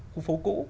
khu phố cũ